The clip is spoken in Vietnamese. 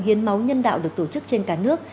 hiến máu nhân đạo được tổ chức trên cả nước